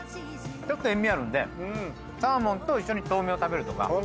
ちょっと塩味あるんでサーモンと一緒に豆苗食べるとか。